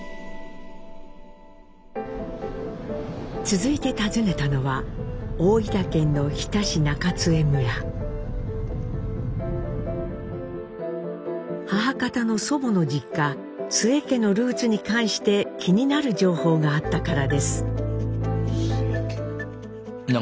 続いて訪ねたのは母方の祖母の実家津江家のルーツに関して気になる情報があったからです。